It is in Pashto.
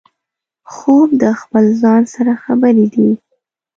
خوب د خپل ځان سره خبرې دي